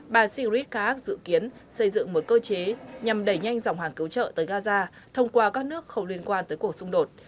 bà sigrid kaak dự kiến xây dựng một cơ chế nhằm đẩy nhanh dòng hàng cứu trợ tới gaza thông qua các nước không liên quan tới cuộc xung đột